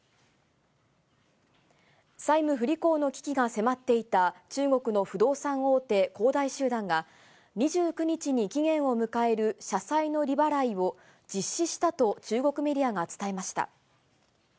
債務不履行の危機が迫っていた、中国の不動産大手、恒大集団が、２９日に期限を迎える社債の利払いを実施したと中国メディアが伝えました。